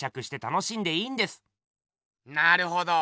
なるほど。